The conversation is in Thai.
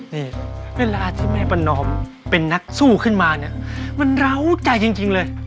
นี่เวลาที่แม่ประนอมเป็นนักสู้ขึ้นมาเนี่ยมันเหล้าใจจริงเลย